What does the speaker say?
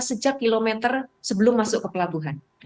sejak kilometer sebelum masuk ke pelabuhan